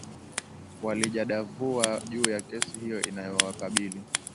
walijadavua juu ya kesi hiyo inayowakabili